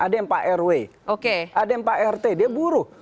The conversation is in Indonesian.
ada yang pak rw ada yang pak rt dia buruh